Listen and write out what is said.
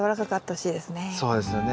そうですよね。